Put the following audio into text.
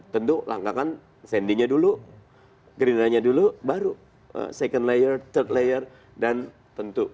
tentu langkah kan sandy nya dulu gerindra nya dulu baru second layer third layer dan tentu